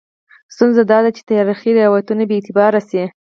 ستونزه دا ده چې تاریخي روایتونه بې اعتباره شي.